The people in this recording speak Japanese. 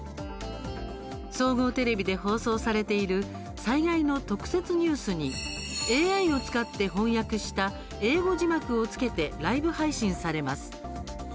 総合テレビで放送されている災害の特設ニュースにＡＩを使って翻訳した英語字幕をつけてライブ配信されます。